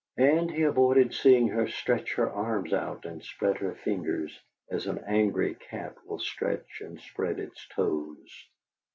And he avoided seeing her stretch her arms out and spread the fingers, as an angry cat will stretch and spread its toes.